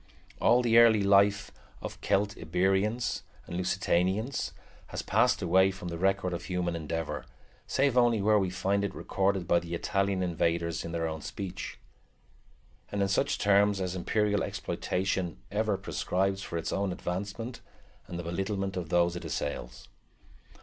All the early life of Celtiberians and Lusitanians has passed away from the record of human endeavor, save only where we find it recorded by the Italian invaders in their own speech, and in such terms as imperial exploitation ever prescribes for its own advancement and the belittlement of those it assails.